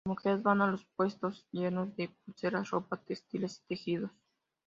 Las mujeres van a los puestos, llenos de pulseras, ropa, textiles y tejidos.